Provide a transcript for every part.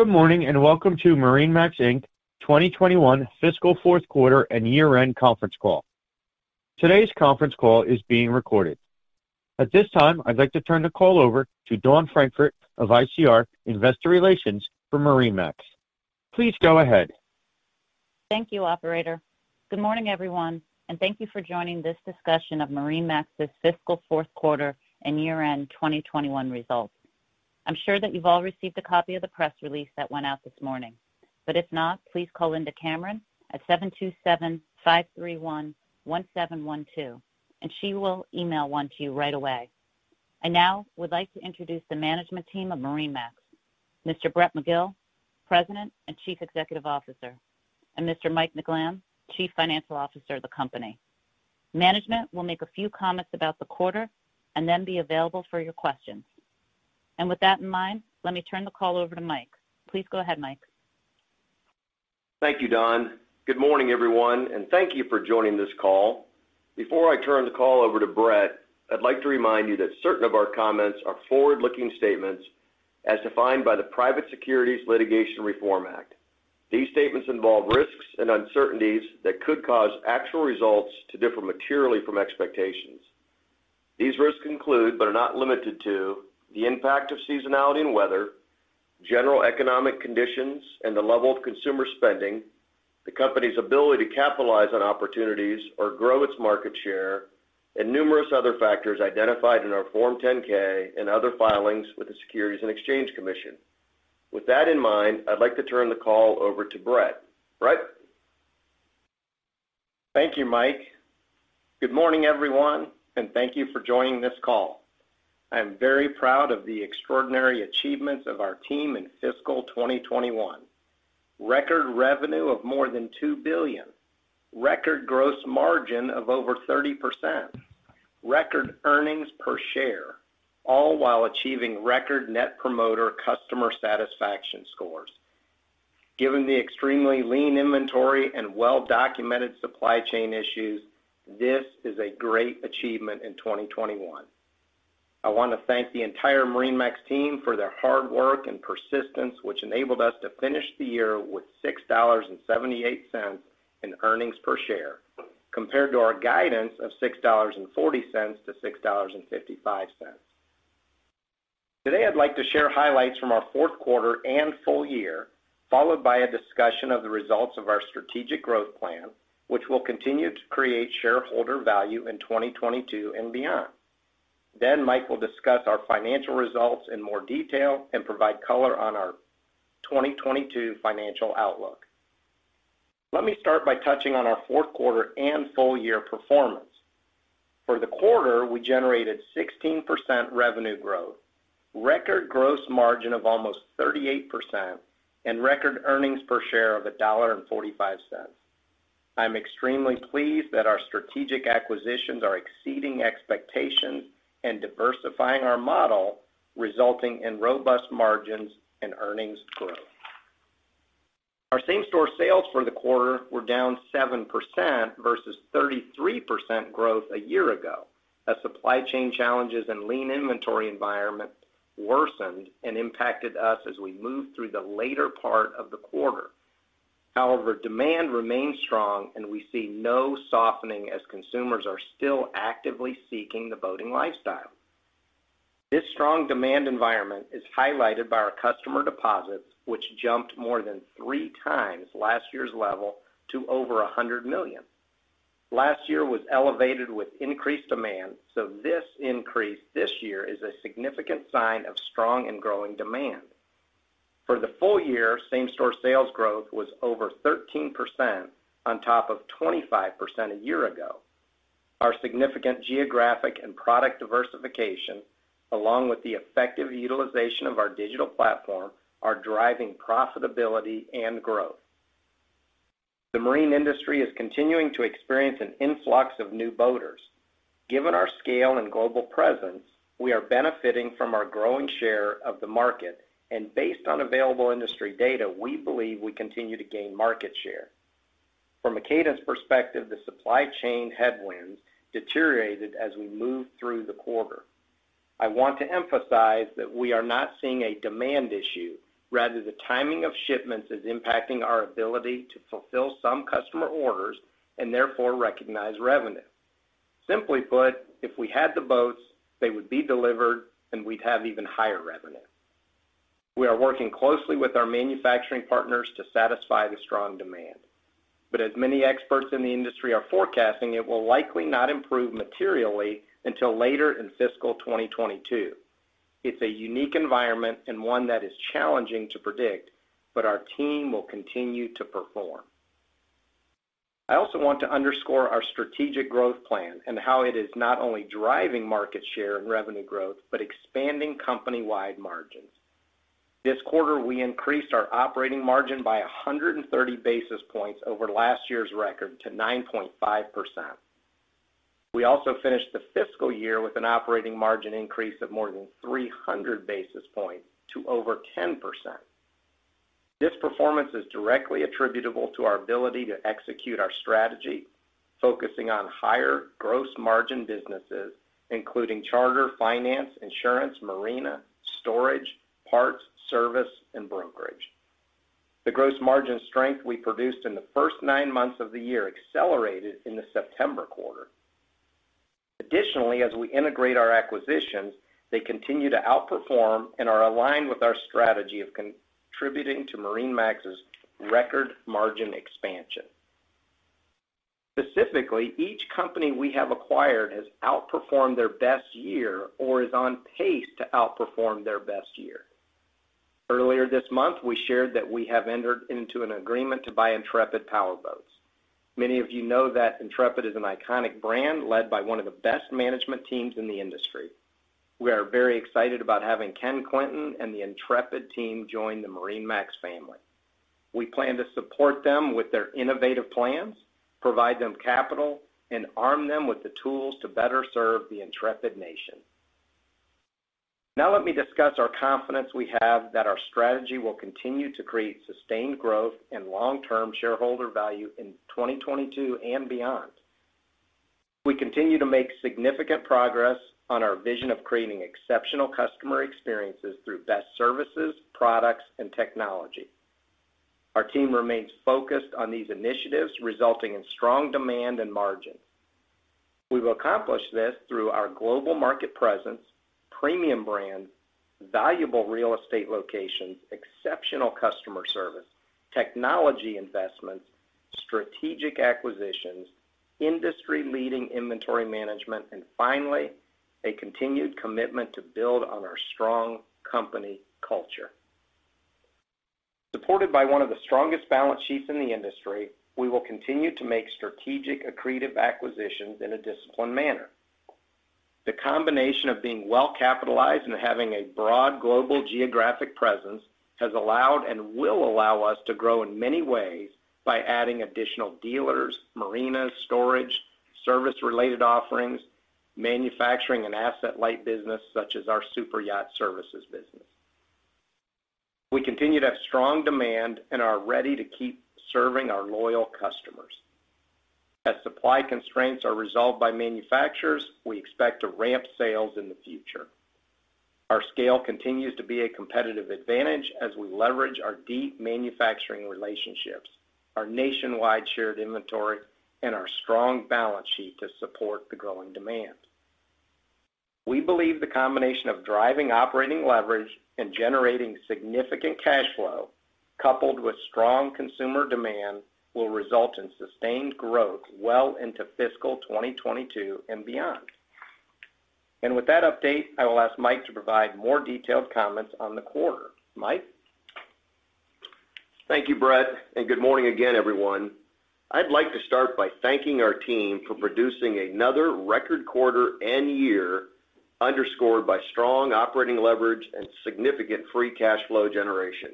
Good morning, and welcome to MarineMax, Inc. 2021 Fiscal Fourth Quarter and Year-End Conference Call. Today's conference call is being recorded. At this time, I'd like to turn the call over to Dawn Francfort of ICR, Investor Relations for MarineMax. Please go ahead. Thank you, operator. Good morning, everyone, and thank you for joining this discussion of MarineMax's Fiscal Fourth Quarter and Year-End 2021 Results. I'm sure that you've all received a copy of the press release that went out this morning. But if not, please call Linda Cameron at 727-531-1721, and she will email one to you right away. I now would like to introduce the management team of MarineMax, Mr. Brett McGill, President and Chief Executive Officer, and Mr. Mike McLamb, Chief Financial Officer of the company. Management will make a few comments about the quarter and then be available for your questions. With that in mind, let me turn the call over to Mike. Please go ahead, Mike. Thank you, Dawn. Good morning, everyone, and thank you for joining this call. Before I turn the call over to Brett, I'd like to remind you that certain of our comments are forward-looking statements as defined by the Private Securities Litigation Reform Act. These statements involve risks and uncertainties that could cause actual results to differ materially from expectations. These risks include, but are not limited to, the impact of seasonality and weather, general economic conditions and the level of consumer spending, the company's ability to capitalize on opportunities or grow its market share, and numerous other factors identified in our Form 10-K and other filings with the Securities and Exchange Commission. With that in mind, I'd like to turn the call over to Brett. Brett? Thank you, Mike. Good morning, everyone, and thank you for joining this call. I am very proud of the extraordinary achievements of our team in fiscal 2021. Record revenue of more than $2 billion, record gross margin of over 30%, record earnings per share, all while achieving record Net Promoter customer satisfaction scores. Given the extremely lean inventory and well-documented supply chain issues, this is a great achievement in 2021. I want to thank the entire MarineMax team for their hard work and persistence, which enabled us to finish the year with $6.78 in earnings per share, compared to our guidance of $6.40-$6.55. Today, I'd like to share highlights from our fourth quarter and full year, followed by a discussion of the results of our strategic growth plan, which will continue to create shareholder value in 2022 and beyond. Mike will discuss our financial results in more detail and provide color on our 2022 financial outlook. Let me start by touching on our fourth quarter and full year performance. For the quarter, we generated 16% revenue growth, record gross margin of almost 38%, and record earnings per share of $1.45. I'm extremely pleased that our strategic acquisitions are exceeding expectations and diversifying our model, resulting in robust margins and earnings growth. Our same-store sales for the quarter were down 7% versus 33% growth a year ago as supply chain challenges and lean inventory environment worsened and impacted us as we moved through the later part of the quarter. However, demand remains strong, and we see no softening as consumers are still actively seeking the boating lifestyle. This strong demand environment is highlighted by our customer deposits, which jumped more than 3x last year's level to over $100 million. Last year was elevated with increased demand, so this increase this year is a significant sign of strong and growing demand. For the full year, same-store sales growth was over 13% on top of 25% a year ago. Our significant geographic and product diversification, along with the effective utilization of our digital platform, are driving profitability and growth. The marine industry is continuing to experience an influx of new boaters. Given our scale and global presence, we are benefiting from our growing share of the market. Based on available industry data, we believe we continue to gain market share. From a cadence perspective, the supply chain headwinds deteriorated as we moved through the quarter. I want to emphasize that we are not seeing a demand issue. Rather, the timing of shipments is impacting our ability to fulfill some customer orders and therefore recognize revenue. Simply put, if we had the boats, they would be delivered, and we'd have even higher revenue. We are working closely with our manufacturing partners to satisfy the strong demand. As many experts in the industry are forecasting, it will likely not improve materially until later in fiscal 2022. It's a unique environment and one that is challenging to predict, but our team will continue to perform. I also want to underscore our strategic growth plan and how it is not only driving market share and revenue growth but expanding company-wide margins. This quarter, we increased our operating margin by 130 basis points over last year's record to 9.5%. We also finished the fiscal year with an operating margin increase of more than 300 basis points to over 10%. This performance is directly attributable to our ability to execute our strategy, focusing on higher gross margin businesses, including charter, finance, insurance, marina, storage, parts, service, and brokerage. The gross margin strength we produced in the first nine months of the year accelerated in the September quarter. Additionally, as we integrate our acquisitions, they continue to outperform and are aligned with our strategy of contributing to MarineMax's record margin expansion. Specifically, each company we have acquired has outperformed their best year or is on pace to outperform their best year. Earlier this month, we shared that we have entered into an agreement to buy Intrepid Powerboats. Many of you know that Intrepid is an iconic brand led by one of the best management teams in the industry. We are very excited about having Ken Clinton and the Intrepid team join the MarineMax family. We plan to support them with their innovative plans, provide them capital, and arm them with the tools to better serve the Intrepid nation. Now let me discuss our confidence we have that our strategy will continue to create sustained growth and long-term shareholder value in 2022 and beyond. We continue to make significant progress on our vision of creating exceptional customer experiences through best services, products, and technology. Our team remains focused on these initiatives, resulting in strong demand and margin. We will accomplish this through our global market presence, premium brands, valuable real estate locations, exceptional customer service, technology investments, strategic acquisitions, industry-leading inventory management, and finally, a continued commitment to build on our strong company culture. Supported by one of the strongest balance sheets in the industry, we will continue to make strategic, accretive acquisitions in a disciplined manner. The combination of being well-capitalized and having a broad global geographic presence has allowed and will allow us to grow in many ways by adding additional dealers, marinas, storage, service-related offerings, manufacturing and asset-light business, such as our superyacht services business. We continue to have strong demand and are ready to keep serving our loyal customers. As supply constraints are resolved by manufacturers, we expect to ramp sales in the future. Our scale continues to be a competitive advantage as we leverage our deep manufacturing relationships, our nationwide shared inventory, and our strong balance sheet to support the growing demand. We believe the combination of driving operating leverage and generating significant cash flow coupled with strong consumer demand will result in sustained growth well into fiscal 2022 and beyond. With that update, I will ask Mike to provide more detailed comments on the quarter. Mike? Thank you, Brett, and good morning again, everyone. I'd like to start by thanking our team for producing another record quarter and year underscored by strong operating leverage and significant free cash flow generation.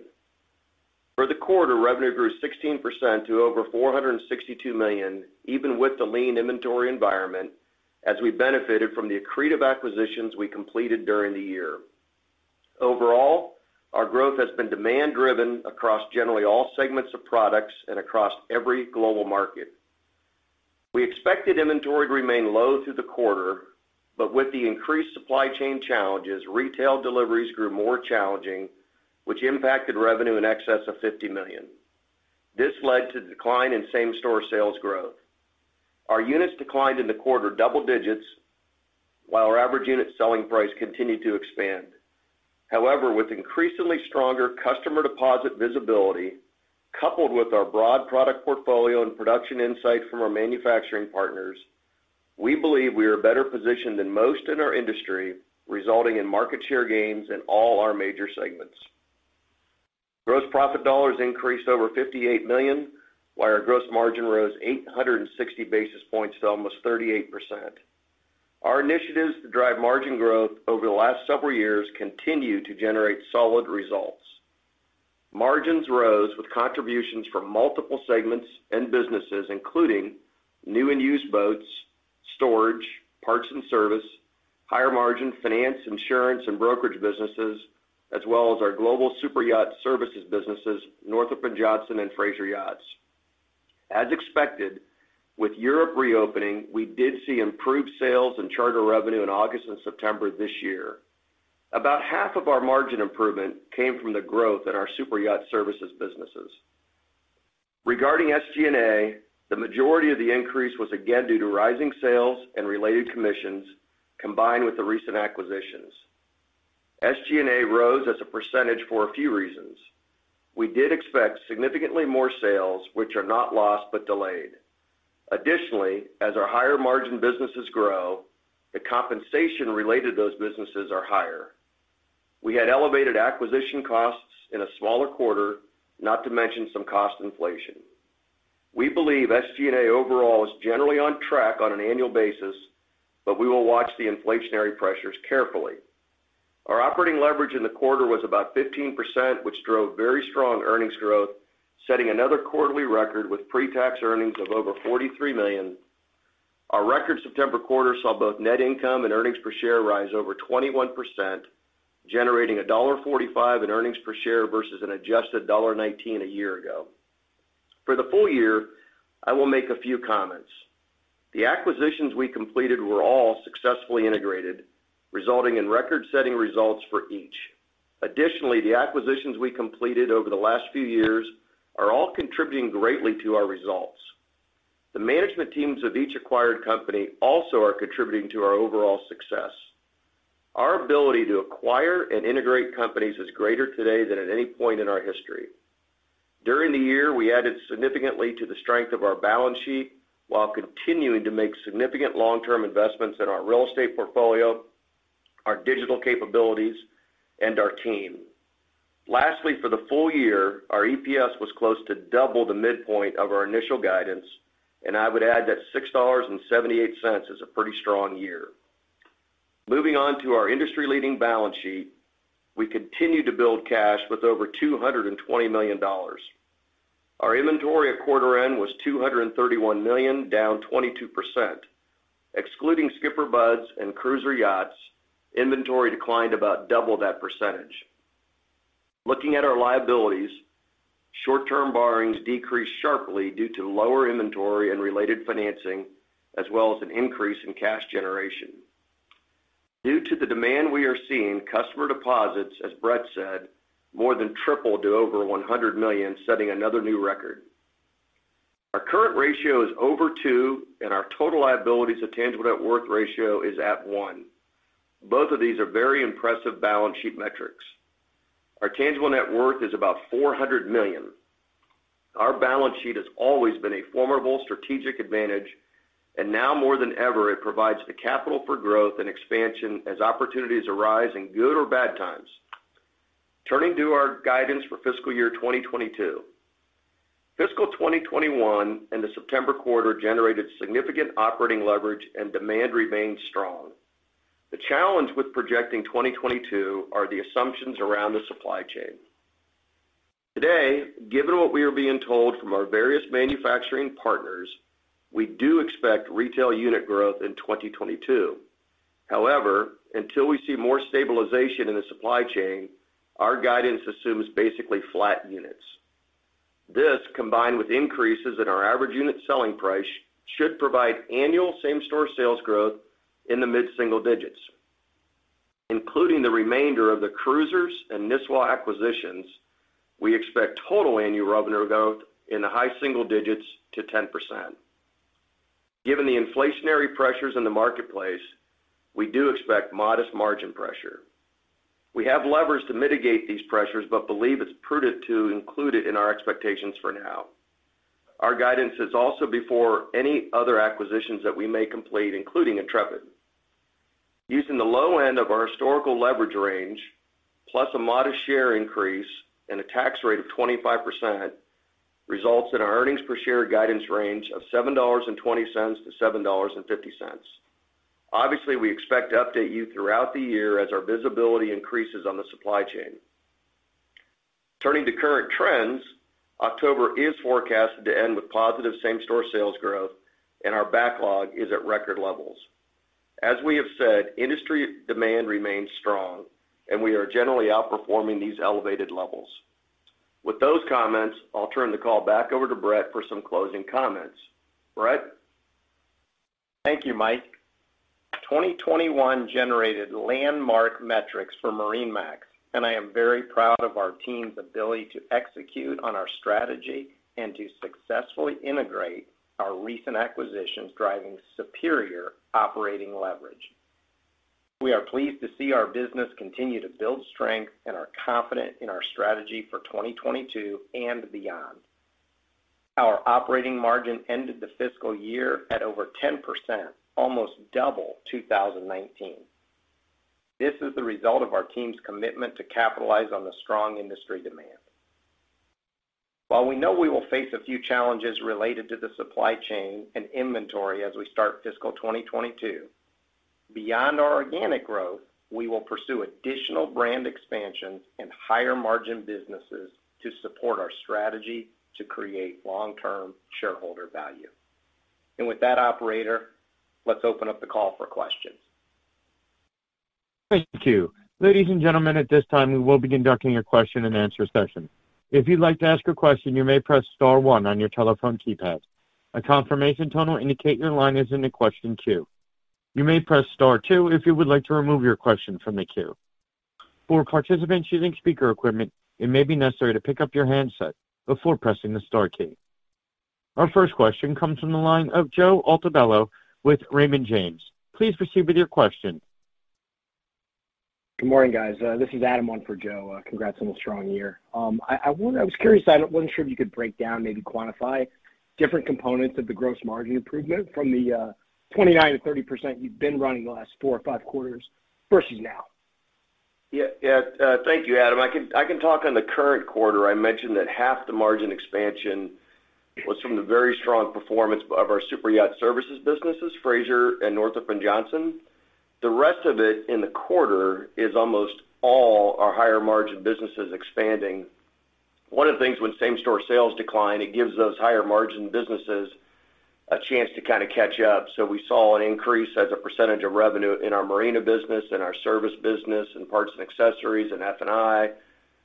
For the quarter, revenue grew 16% to over $462 million, even with the lean inventory environment, as we benefited from the accretive acquisitions we completed during the year. Overall, our growth has been demand-driven across generally all segments of products and across every global market. We expected inventory to remain low through the quarter, but with the increased supply chain challenges, retail deliveries grew more challenging, which impacted revenue in excess of $50 million. This led to decline in same-store sales growth. Our units declined in the quarter double digits, while our average unit selling price continued to expand. However, with increasingly stronger customer deposit visibility, coupled with our broad product portfolio and production insight from our manufacturing partners, we believe we are better positioned than most in our industry, resulting in market share gains in all our major segments. Gross profit dollars increased over $58 million, while our gross margin rose 860 basis points to almost 38%. Our initiatives to drive margin growth over the last several years continue to generate solid results. Margins rose with contributions from multiple segments and businesses, including new and used boats, storage, parts and service, higher margin finance, insurance, and brokerage businesses, as well as our global super yacht services businesses, Northrop & Johnson, and Fraser Yachts. As expected, with Europe reopening, we did see improved sales and charter revenue in August and September this year. About half of our margin improvement came from the growth in our super yacht services businesses. Regarding SG&A, the majority of the increase was again due to rising sales and related commissions combined with the recent acquisitions. SG&A rose as a percentage for a few reasons. We did expect significantly more sales, which are not lost but delayed. Additionally, as our higher margin businesses grow, the compensation related to those businesses are higher. We had elevated acquisition costs in a smaller quarter, not to mention some cost inflation. We believe SG&A overall is generally on track on an annual basis, but we will watch the inflationary pressures carefully. Our operating leverage in the quarter was about 15%, which drove very strong earnings growth, setting another quarterly record with pre-tax earnings of over $43 million. Our record September quarter saw both net income and earnings per share rise over 21%, generating $1.45 in earnings per share versus an adjusted $1.19 a year ago. For the full year, I will make a few comments. The acquisitions we completed were all successfully integrated, resulting in record-setting results for each. Additionally, the acquisitions we completed over the last few years are all contributing greatly to our results. The management teams of each acquired company also are contributing to our overall success. Our ability to acquire and integrate companies is greater today than at any point in our history. During the year, we added significantly to the strength of our balance sheet while continuing to make significant long-term investments in our real estate portfolio, our digital capabilities, and our team. Lastly, for the full year, our EPS was close to double the midpoint of our initial guidance, and I would add that $6.78 is a pretty strong year. Moving on to our industry-leading balance sheet. We continue to build cash with over $220 million. Our inventory at quarter end was $231 million, down 22%. Excluding SkipperBud's and Cruisers Yachts, inventory declined about double that percentage. Looking at our liabilities, short-term borrowings decreased sharply due to lower inventory and related financing, as well as an increase in cash generation. Due to the demand we are seeing, customer deposits, as Brett said, more than tripled to over $100 million, setting another new record. Our current ratio is over two, and our total liabilities to tangible net worth ratio is at one. Both of these are very impressive balance sheet metrics. Our tangible net worth is about $400 million. Our balance sheet has always been a formidable strategic advantage, and now more than ever, it provides the capital for growth and expansion as opportunities arise in good or bad times. Turning to our guidance for fiscal year 2022. Fiscal 2021 and the September quarter generated significant operating leverage and demand remained strong. The challenge with projecting 2022 are the assumptions around the supply chain. Today, given what we are being told from our various manufacturing partners, we do expect retail unit growth in 2022. However, until we see more stabilization in the supply chain, our guidance assumes basically flat units. This, combined with increases in our average unit selling price, should provide annual same-store sales growth in the mid-single digits. Including the remainder of the Cruisers and Nisswa acquisitions, we expect total annual revenue growth in the high-single digits to 10%. Given the inflationary pressures in the marketplace, we do expect modest margin pressure. We have levers to mitigate these pressures, but believe it's prudent to include it in our expectations for now. Our guidance is also before any other acquisitions that we may complete, including Intrepid. Using the low end of our historical leverage range, plus a modest share increase and a tax rate of 25% results in our earnings per share guidance range of $7.20-$7.50. Obviously, we expect to update you throughout the year as our visibility increases on the supply chain. Turning to current trends, October is forecasted to end with positive same-store sales growth, and our backlog is at record levels. As we have said, industry demand remains strong, and we are generally outperforming these elevated levels. With those comments, I'll turn the call back over to Brett for some closing comments. Brett? Thank you, Mike. 2021 generated landmark metrics for MarineMax, and I am very proud of our team's ability to execute on our strategy and to successfully integrate our recent acquisitions, driving superior operating leverage. We are pleased to see our business continue to build strength and are confident in our strategy for 2022 and beyond. Our operating margin ended the fiscal year at over 10%, almost double 2019. This is the result of our team's commitment to capitalize on the strong industry demand. While we know we will face a few challenges related to the supply chain and inventory as we start fiscal 2022, beyond our organic growth, we will pursue additional brand expansions and higher margin businesses to support our strategy to create long-term shareholder value. With that, operator, let's open up the call for questions. Thank you. Ladies and gentlemen, at this time, we will be conducting a question-and-answer session. If you'd like to ask a question, you may press star one on your telephone keypad. A confirmation tone will indicate your line is in the question queue. You may press star two if you would like to remove your question from the queue. For participants using speaker equipment, it may be necessary to pick up your handset before pressing the star key. Our first question comes from the line of Joe Altobello with Raymond James. Please proceed with your question. Good morning, guys. This is Adam on for Joe. Congrats on a strong year. I was curious. I wasn't sure if you could break down, maybe quantify different components of the gross margin improvement from the 29%-30% you've been running the last four or five quarters versus now. Yeah. Yeah. Thank you, Adam. I can talk on the current quarter. I mentioned that half the margin expansion was from the very strong performance of our superyacht services businesses, Fraser Yachts and Northrop & Johnson. The rest of it in the quarter is almost all our higher margin businesses expanding. One of the things when same-store sales decline, it gives those higher margin businesses a chance to kind of catch up. We saw an increase as a percentage of revenue in our marina business, in our service business, in parts and accessories, in F&I,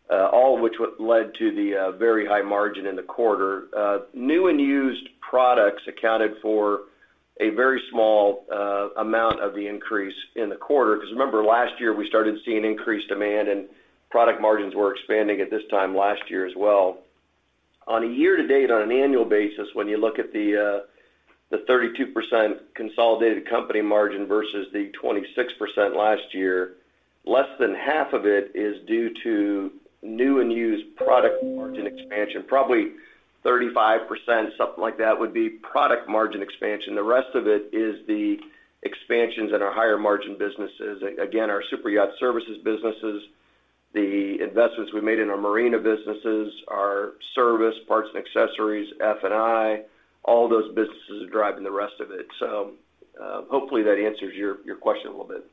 all of which led to the very high margin in the quarter. New and used products accounted for a very small amount of the increase in the quarter. Because remember, last year, we started seeing increased demand and product margins were expanding at this time last year as well. On a year-to-date, on an annual basis, when you look at the 32% consolidated company margin versus the 26% last year, less than half of it is due to new and used product margin expansion. Probably 35%, something like that, would be product margin expansion. The rest of it is the expansions in our higher margin businesses. Again, our superyacht services businesses, the investments we made in our marina businesses, our service, parts and accessories, F&I, all those businesses are driving the rest of it. Hopefully, that answers your question a little bit.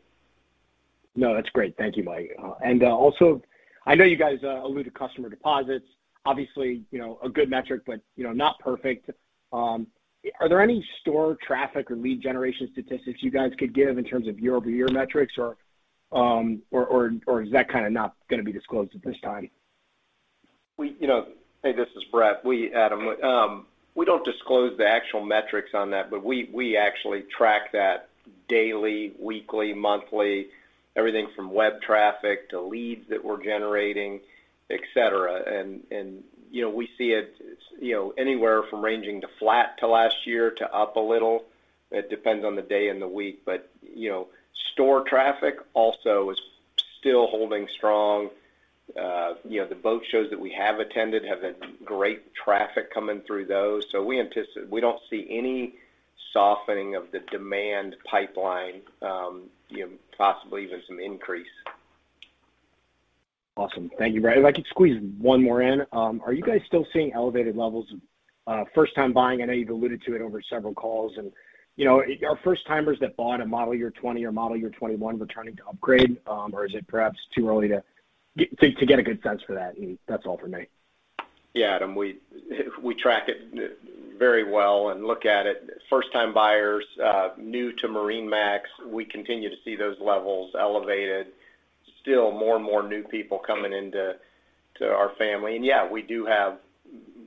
No, that's great. Thank you, Mike. Also, I know you guys alluded to customer deposits, obviously, you know, a good metric, but, you know, not perfect. Are there any store traffic or lead generation statistics you guys could give in terms of YoY metrics or is that kind of not going to be disclosed at this time? You know, hey, this is Brett. Adam, we don't disclose the actual metrics on that, but we actually track that daily, weekly, monthly, everything from web traffic to leads that we're generating, et cetera. You know, we see it ranging from flat to up a little from last year. It depends on the day and the week. You know, store traffic also is still holding strong. You know, the boat shows that we have attended have had great traffic coming through those. We don't see any softening of the demand pipeline, you know, possibly even some increase. Awesome. Thank you, Brett. If I could squeeze one more in. Are you guys still seeing elevated levels of first time buying? I know you've alluded to it over several calls. You know, are first-timers that bought a model year 2020 or model year 2021 returning to upgrade, or is it perhaps too early to get a good sense for that? That's all for me. Yeah, Adam, we track it very well and look at it. First time buyers, new to MarineMax, we continue to see those levels elevated. Still more and more new people coming into our family. Yeah, we do have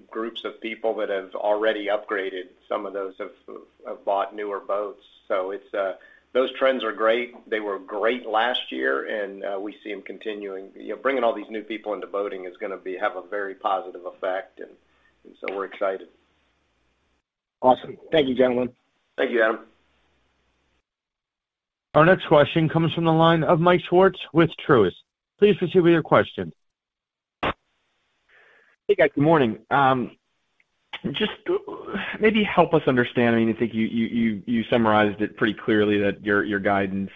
groups of people that have already upgraded. Some of those have bought newer boats. It's those trends are great. They were great last year, and we see them continuing. You know, bringing all these new people into boating is going to have a very positive effect, and so we're excited. Awesome. Thank you, gentlemen. Thank you, Adam. Our next question comes from the line of Mike Swartz with Truist. Please proceed with your question. Hey, guys. Good morning. Just maybe help us understand. I mean, I think you summarized it pretty clearly that your guidance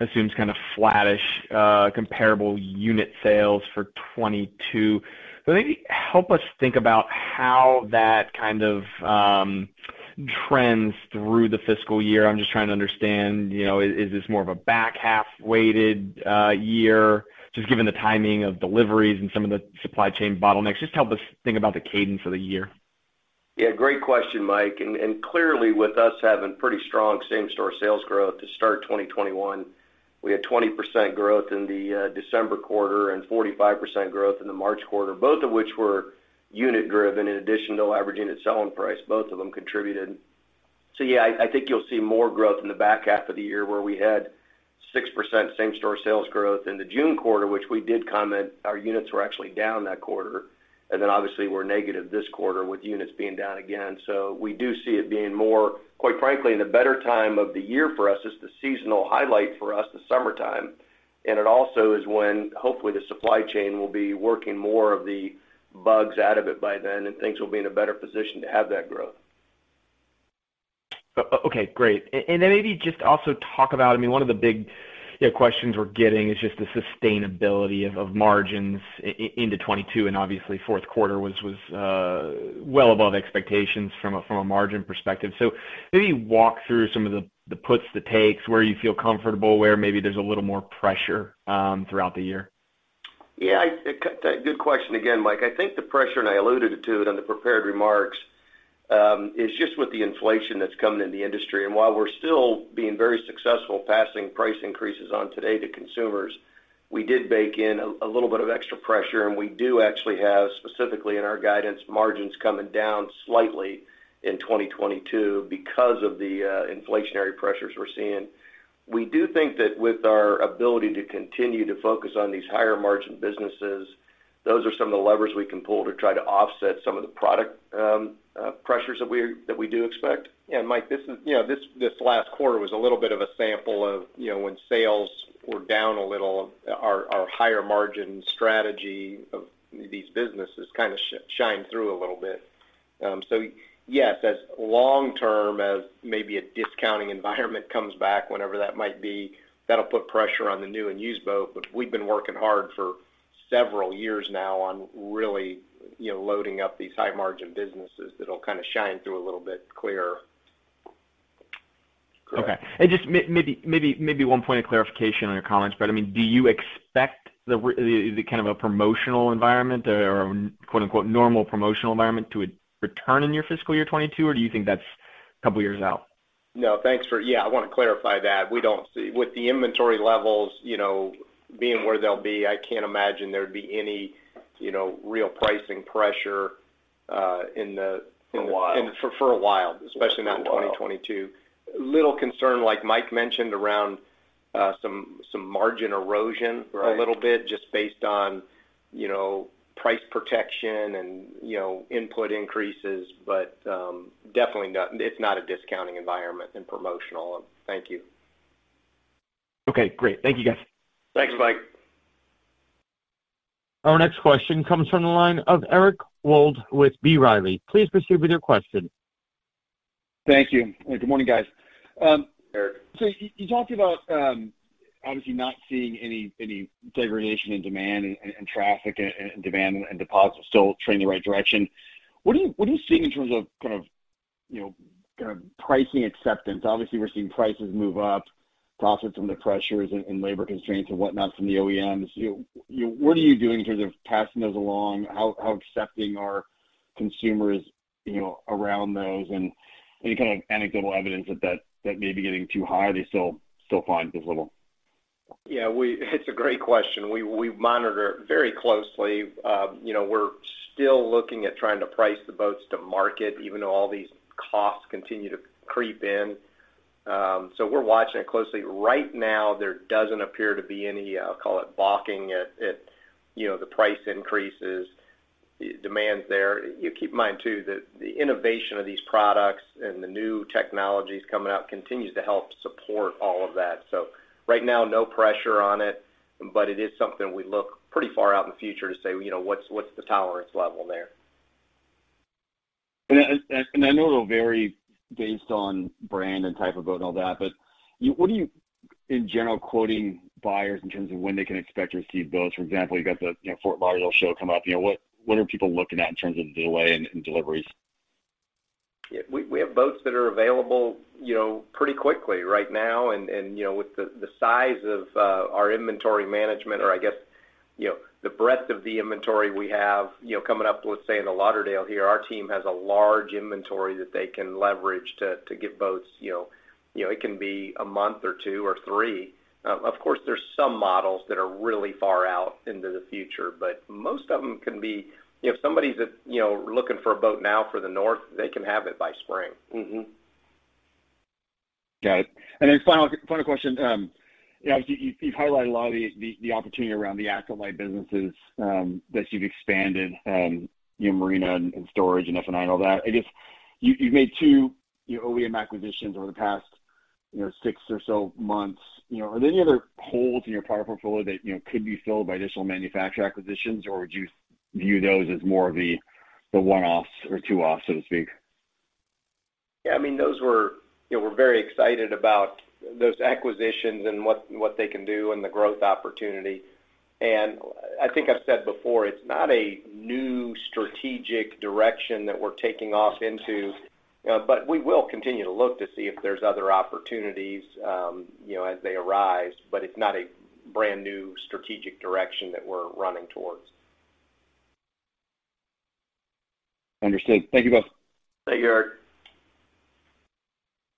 assumes kind of flattish comparable unit sales for 2022. Maybe help us think about how that kind of trends through the fiscal year. I'm just trying to understand, you know, is this more of a back half weighted year, just given the timing of deliveries and some of the supply chain bottlenecks? Just help us think about the cadence of the year. Yeah, great question, Mike. Clearly, with us having pretty strong same-store sales growth to start 2021, we had 20% growth in the December quarter and 45% growth in the March quarter, both of which were unit driven in addition to average unit selling price. Both of them contributed. Yeah, I think you'll see more growth in the back half of the year where we had 6% same-store sales growth in the June quarter, which we did comment, our units were actually down that quarter. Then obviously, we're negative this quarter with units being down again. We do see it being more, quite frankly, the better time of the year for us is the seasonal highlight for us, the summertime. It also is when, hopefully, the supply chain will be working more of the bugs out of it by then, and things will be in a better position to have that growth. Okay, great. And then maybe just also talk about, I mean, one of the big, you know, questions we're getting is just the sustainability of margins into 2022, and obviously, fourth quarter was well above expectations from a margin perspective. Maybe walk through some of the puts, the takes, where you feel comfortable, where maybe there's a little more pressure throughout the year. Yeah, good question again, Mike. I think the pressure, and I alluded to it on the prepared remarks, is just with the inflation that's coming in the industry. While we're still being very successful passing price increases on today to consumers, we did bake in a little bit of extra pressure, and we do actually have, specifically in our guidance, margins coming down slightly in 2022 because of the inflationary pressures we're seeing. We do think that with our ability to continue to focus on these higher margin businesses, those are some of the levers we can pull to try to offset some of the product pressures that we do expect. Mike, this is, you know, this last quarter was a little bit of a sample of, you know, when sales were down a little, our higher margin strategy of these businesses kind of shined through a little bit. Yes, as long as maybe a discounting environment comes back, whenever that might be, that'll put pressure on the new and used boat. We've been working hard for several years now on really, you know, loading up these high margin businesses that'll kind of shine through a little bit clearer. Okay. Just maybe one point of clarification on your comments, Brett. I mean, do you expect the kind of a promotional environment or quote unquote normal promotional environment to return in your fiscal year 2022, or do you think that's a couple of years out? Yeah, I want to clarify that. We don't see with the inventory levels, you know, being where they'll be. I can't imagine there'd be any, you know, real pricing pressure in the. For a while. For a while, especially not in 2022. Little concern, like Mike mentioned, around some margin erosion. Right. A little bit just based on, you know, price protection and, you know, input increases. Definitely not, it's not a discounting environment and promotional. Thank you. Okay, great. Thank you, guys. Thanks, Mike. Our next question comes from the line of Eric Wold with B. Riley. Please proceed with your question. Thank you. Good morning, guys. Eric. You talked about obviously not seeing any degradation in demand and traffic and demand and deposits still trending the right direction. What are you seeing in terms of kind of, you know, kind of pricing acceptance? Obviously, we're seeing prices move up, profits under pressure and labor constraints and whatnot from the OEMs. What are you doing in terms of passing those along? How accepting are consumers, you know, around those? And any kind of anecdotal evidence that may be getting too high, are they still fine, viable? Yeah, it's a great question. We monitor very closely. You know, we're still looking at trying to price the boats to market, even though all these costs continue to creep in. So we're watching it closely. Right now, there doesn't appear to be any, I'll call it, balking at, you know, the price increases. Demand's there. You keep in mind, too, that the innovation of these products and the new technologies coming out continues to help support all of that. So right now, no pressure on it, but it is something we look pretty far out in the future to say, you know, what's the tolerance level there? I know it'll vary based on brand and type of boat and all that, but you, what are you in general quoting buyers in terms of when they can expect to receive boats? For example, you've got the, you know, Fort Lauderdale show coming up. You know, what are people looking at in terms of delay and deliveries? Yeah. We have boats that are available, you know, pretty quickly right now. You know, with the size of our inventory management, or I guess, you know, the breadth of the inventory we have, you know, coming up, let's say in Fort Lauderdale here, our team has a large inventory that they can leverage to get boats, you know, it can be a month or two or three. Of course, there's some models that are really far out into the future, but most of them can be. You know, if somebody's, you know, looking for a boat now for the North, they can have it by spring. Mm-hmm. Got it. Final question. You know, you've highlighted a lot of the opportunity around the asset-light businesses that you've expanded, you know, marina and storage and F&I and all that. I guess you've made two, you know, OEM acquisitions over the past, you know, six or so months. You know, are there any other holes in your product portfolio that, you know, could be filled by additional manufacturer acquisitions, or would you view those as more of the one-offs or two-offs, so to speak? Yeah, I mean. You know, we're very excited about those acquisitions and what they can do and the growth opportunity. I think I've said before, it's not a new strategic direction that we're taking off into, but we will continue to look to see if there's other opportunities, you know, as they arise, but it's not a brand new strategic direction that we're running towards. Understood. Thank you both. Thank you, Eric.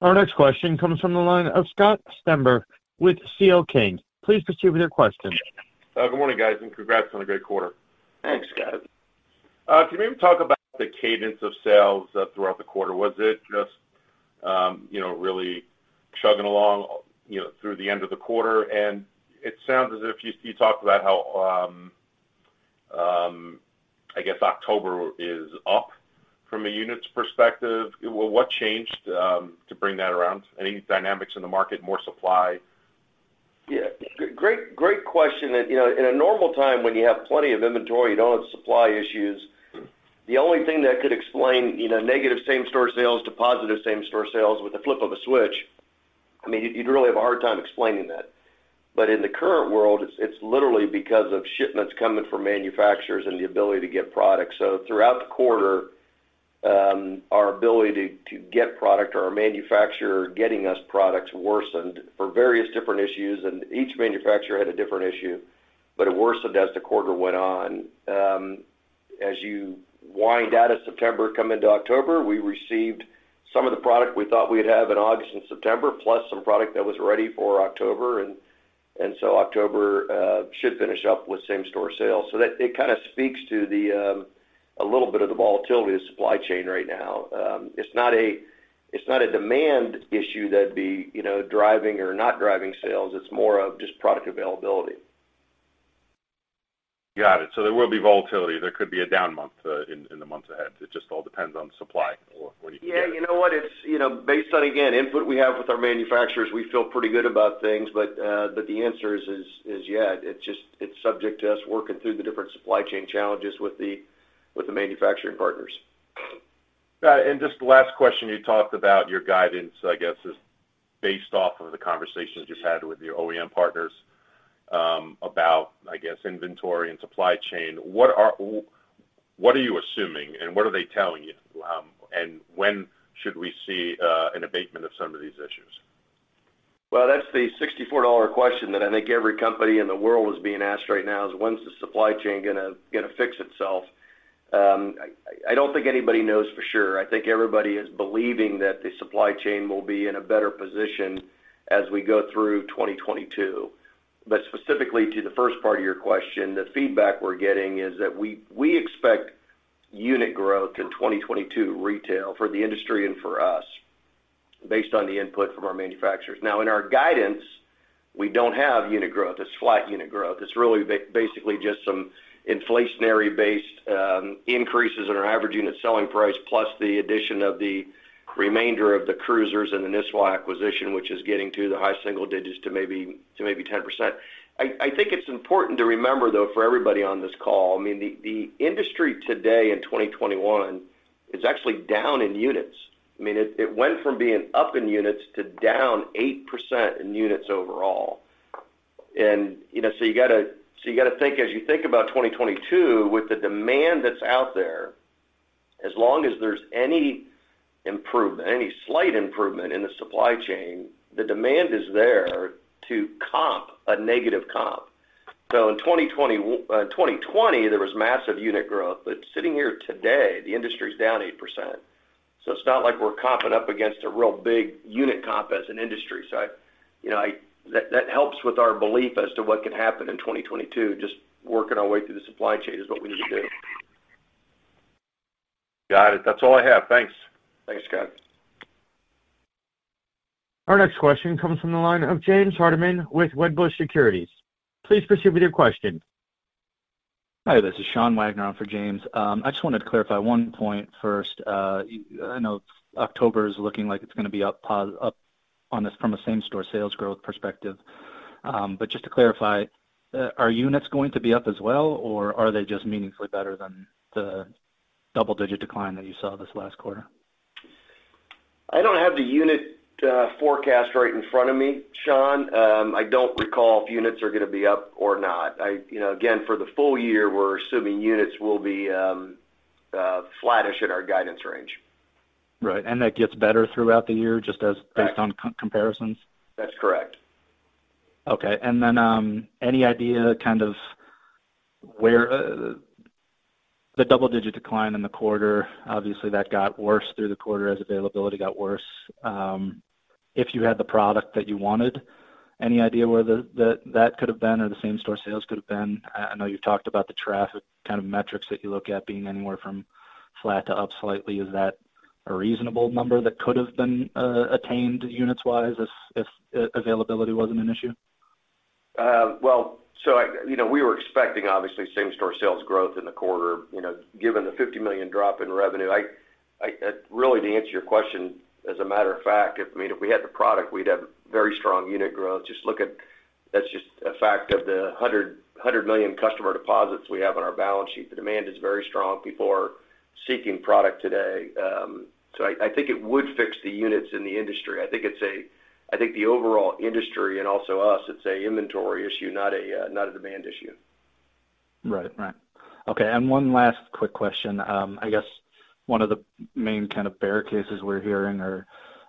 Our next question comes from the line of Scott Stember with C.L. King. Please proceed with your question. Good morning, guys, and congrats on a great quarter. Thanks, Scott. Can you maybe talk about the cadence of sales throughout the quarter? Was it just you know really chugging along you know through the end of the quarter? It sounds as if you talked about how I guess October is up from a units perspective. Well, what changed to bring that around? Any dynamics in the market, more supply? Yeah. Great, great question. You know, in a normal time, when you have plenty of inventory, you don't have supply issues. Mm-hmm. The only thing that could explain, you know, negative same-store sales to positive same-store sales with the flip of a switch, I mean, you'd really have a hard time explaining that. In the current world, it's literally because of shipments coming from manufacturers and the ability to get product. Throughout the quarter, our ability to get product or our manufacturer getting us products worsened for various different issues, and each manufacturer had a different issue, but it worsened as the quarter went on. As you wind out of September, come into October, we received some of the product we thought we'd have in August and September, plus some product that was ready for October. October should finish up with same-store sales. It kind of speaks to the, a little bit of the volatility of supply chain right now. It's not a demand issue that'd be, you know, driving or not driving sales. It's more of just product availability. Got it. There will be volatility. There could be a down month in the months ahead. It just all depends on supply or what you can get. Yeah. You know what? It's, you know, based on, again, input we have with our manufacturers, we feel pretty good about things. The answer is yeah. It's just subject to us working through the different supply chain challenges with the manufacturing partners. Got it. Just the last question, you talked about your guidance, I guess, is based off of the conversations you just had with your OEM partners. About, I guess, inventory and supply chain. What are you assuming and what are they telling you? When should we see an abatement of some of these issues? Well, that's the $64 question that I think every company in the world is being asked right now is: When's the supply chain gonna fix itself? I don't think anybody knows for sure. I think everybody is believing that the supply chain will be in a better position as we go through 2022. But specifically to the first part of your question, the feedback we're getting is that we expect unit growth in 2022 retail for the industry and for us based on the input from our manufacturers. Now, in our guidance, we don't have unit growth. It's flat unit growth. It's really basically just some inflationary-based increases in our average unit selling price, plus the addition of the remainder of the Cruisers and the Nisswa acquisition, which is getting to the high-single digits to maybe 10%. I think it's important to remember, though, for everybody on this call. I mean, the industry today in 2021 is actually down in units. I mean, it went from being up in units to down 8% in units overall. You know, so you gotta think, as you think about 2022, with the demand that's out there, as long as there's any improvement, any slight improvement in the supply chain, the demand is there to comp a negative comp. In 2020, there was massive unit growth, but sitting here today, the industry's down 8%. It's not like we're comping up against a real big unit comp as an industry. You know, that helps with our belief as to what could happen in 2022. Just working our way through the supply chain is what we need to do. Got it. That's all I have. Thanks. Thanks, Scott. Our next question comes from the line of James Hardiman with Wedbush Securities. Please proceed with your question. Hi, this is Sean Wagner on for James. I just wanted to clarify one point first. I know October is looking like it's gonna be up on this from a same store sales growth perspective. Just to clarify, are units going to be up as well, or are they just meaningfully better than the double-digit decline that you saw this last quarter? I don't have the unit forecast right in front of me, Sean. I don't recall if units are gonna be up or not. You know, again, for the full year, we're assuming units will be flattish in our guidance range. Right. That gets better throughout the year just as. Right. Based on comparisons? That's correct. Okay. Any idea kind of where the double-digit decline in the quarter, obviously that got worse through the quarter as availability got worse, if you had the product that you wanted? Any idea where that could have been, or the same store sales could have been? I know you've talked about the traffic kind of metrics that you look at being anywhere from flat to up slightly. Is that a reasonable number that could have been attained units wise if availability wasn't an issue? Well, you know, we were expecting obviously same store sales growth in the quarter. You know, given the $50 million drop in revenue, I really to answer your question, as a matter of fact, I mean, if we had the product, we'd have very strong unit growth. That's just a fact of the $100 million customer deposits we have on our balance sheet. The demand is very strong. People are seeking product today. So I think it would fix the units in the industry. I think the overall industry and also us, it's an inventory issue, not a demand issue. Right. Okay. One last quick question. I guess one of the main kind of bear cases we're hearing are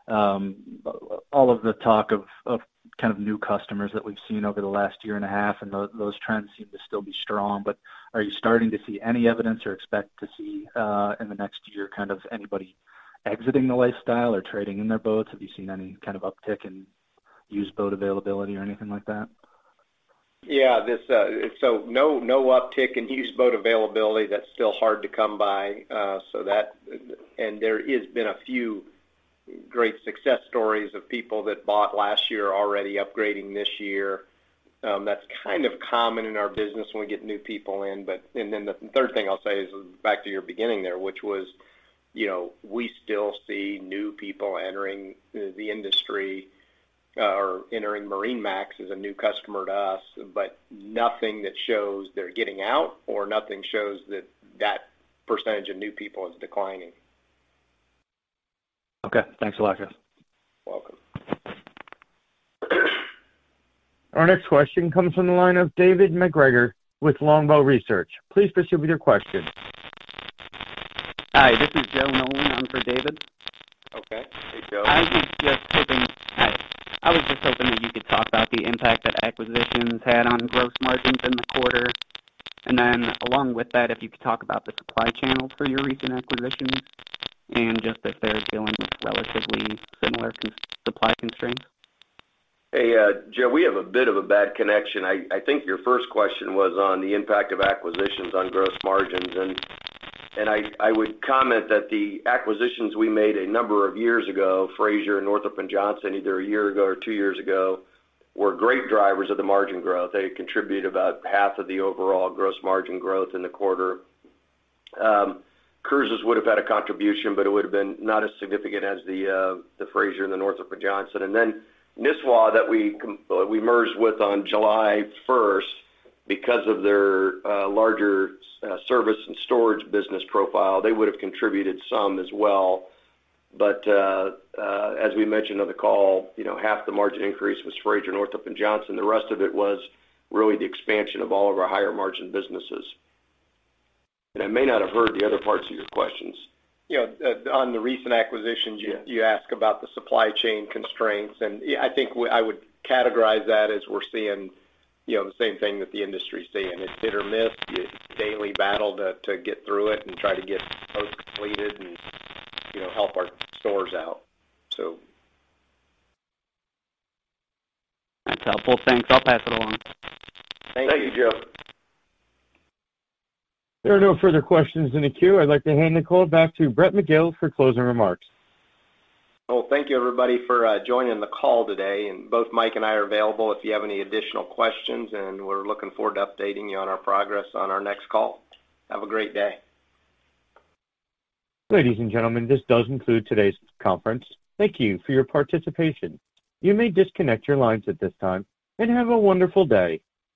all of the talk of kind of new customers that we've seen over the last year and a half, and those trends seem to still be strong. But are you starting to see any evidence or expect to see in the next year kind of anybody exiting the lifestyle or trading in their boats? Have you seen any kind of uptick in used boat availability or anything like that? Yeah. No uptick in used boat availability. That's still hard to come by. There has been a few great success stories of people that bought last year already upgrading this year. That's kind of common in our business when we get new people in. The third thing I'll say is back to your beginning there, which was, you know, we still see new people entering the industry or entering MarineMax as a new customer to us, but nothing that shows they're getting out or nothing shows that that percentage of new people is declining. Okay. Thanks a lot, guys. Welcome. Our next question comes from the line of David MacGregor with Longbow Research. Please proceed with your question. Hi, this is Joe Nolan in for David. Okay. Hey, Joe. I was just hoping that you could talk about the impact that acquisitions had on gross margins in the quarter. Along with that, if you could talk about the supply chain for your recent acquisitions and just if they're dealing with relatively similar supply constraints. Hey, Joe, we have a bit of a bad connection. I think your first question was on the impact of acquisitions on gross margins. I would comment that the acquisitions we made a number of years ago, Fraser Yachts, Northrop & Johnson, either a year ago or two years ago, were great drivers of the margin growth. They contribute about half of the overall gross margin growth in the quarter. Cruisers would have had a contribution, but it would have been not as significant as the Fraser Yachts and the Northrop & Johnson. Then Nisswa that we merged with on July first, because of their larger service and storage business profile, they would have contributed some as well. As we mentioned on the call, you know, half the margin increase was Fraser Yachts, Northrop & Johnson. The rest of it was really the expansion of all of our higher margin businesses. I may not have heard the other parts of your questions. You know, on the recent acquisitions. Yes. You ask about the supply chain constraints, and I think I would categorize that as we're seeing, you know, the same thing that the industry is seeing. It's hit or miss. It's a daily battle to get through it and try to get boats completed and, you know, help our stores out. That's helpful. Thanks. I'll pass it along. Thank you, Joe. There are no further questions in the queue. I'd like to hand the call back to Brett McGill for closing remarks. Well, thank you, everybody, for joining the call today. Both Mike and I are available if you have any additional questions, and we're looking forward to updating you on our progress on our next call. Have a great day. Ladies and gentlemen, this does conclude today's conference. Thank you for your participation. You may disconnect your lines at this time, and have a wonderful day.